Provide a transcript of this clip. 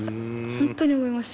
本当に思いました。